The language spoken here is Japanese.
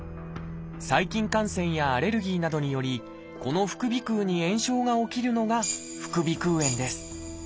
細菌感染やアレルギーなどによりこの副鼻腔に炎症が起きるのが副鼻腔炎です。